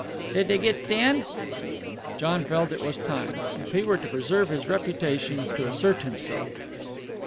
"Did they git thin?" John felt it was time, if he were to preserve his reputation, to assert himself.